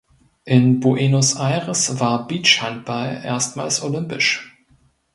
In Buenos Aires war Beachhandball erstmals olympisch.